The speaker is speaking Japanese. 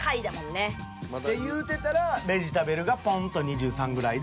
言うてたらベジたべるがポンと２３ぐらいで。